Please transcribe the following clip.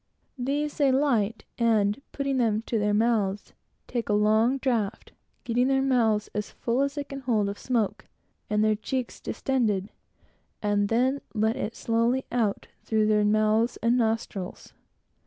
These, they light, and putting them to their mouths, take a long draught, getting their mouths as full as they can hold, and their cheeks distended, and then let it slowly out through their mouths and nostrils.